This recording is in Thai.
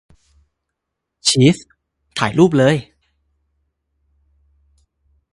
ชีส ? ถ่ายรูปเลย !